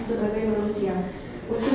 sebagai manusia untuk